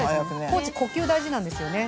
コーチ呼吸大事なんですよね。